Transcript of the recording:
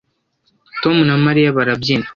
Tom na Mariya barabyina